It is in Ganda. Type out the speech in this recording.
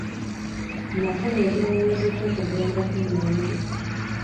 Nafuna ekirowoozo ky'okugendako emmanju.